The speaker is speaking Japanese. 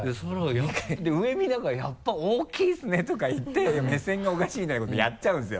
で上見ながら「やっぱ大きいですね」とか言って目線がおかしいみたいなことやっちゃうんですよ。